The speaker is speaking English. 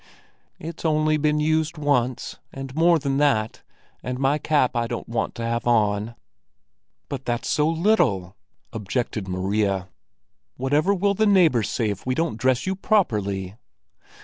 It's only been used once, and more than that and my cap I don't want to have on." "But that's so little," objected Maria. "Whatever will the neighbors say if we don't dress you properly?"